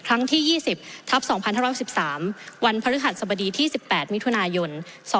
ครั้งที่๒๐ทัพ๒๕๖๓วันพฤหัสสบดีที่๑๘มิถุนายน๒๕๖